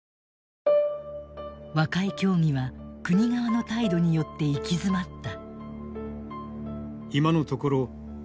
和解協議は国側の態度によって行き詰まった。